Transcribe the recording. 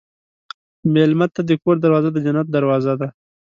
مېلمه ته د کور دروازه د جنت دروازه ده.